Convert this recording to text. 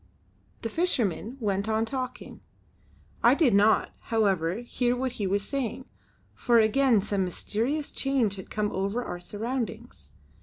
The fisherman went on talking. I did not, however, hear what he was saying, for again some mysterious change had come over our surroundings.